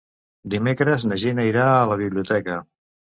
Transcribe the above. Dimecres na Gina irà a la biblioteca.